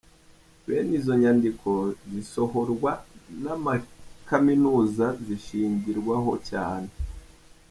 Bene izo nyandiko zisohorwa n’amakaminuza zishingirwaho cyane.